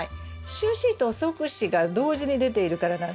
主枝と側枝が同時に出ているからなんです。